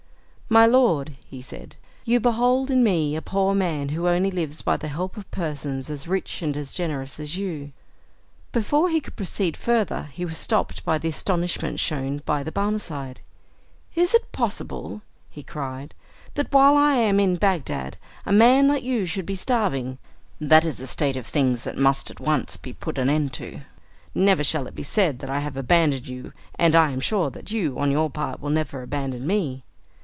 "My lord," he said, "you behold in me a poor man who only lives by the help of persons as rich and as generous as you." Before he could proceed further, he was stopped by the astonishment shown by the Barmecide. "Is it possible," he cried, "that while I am in Bagdad, a man like you should be starving? That is a state of things that must at once be put an end to! Never shall it be said that I have abandoned you, and I am sure that you, on your part, will never abandon me."